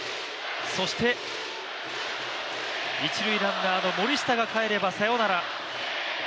そして、一塁ランナーの森下が帰ればサヨナラ。